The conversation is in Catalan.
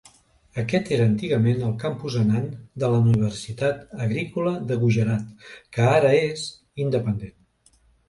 Aquest era antigament el campus Anand de la Universitat Agrícola de Gujarat, que ara és independent.